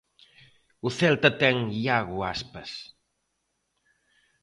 O Celta ten Iago Aspas.